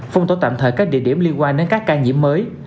phong tổ tạm thời các địa điểm liên quan đến các ca nhiễm mới